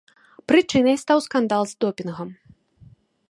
Прычынай стаў скандал з допінгам.